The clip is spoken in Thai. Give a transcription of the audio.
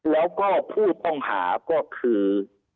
แล้วก็ผู้ต้องหาก็คือ